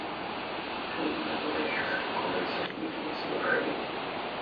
Княгиня была еще в своей комнате, и князь не выходил.